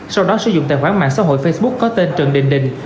sau đó sử dụng tài khoản mạng xã hội facebook có tên trần đình đình